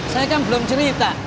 saya kan belum cerita